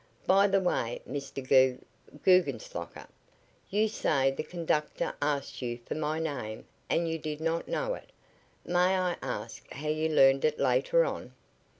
"By the way, Mr. Gug Guggenslocker, you say the conductor asked you for my name and you did not know it. May I ask how you learned it later on?"